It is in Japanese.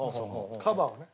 カバーをね。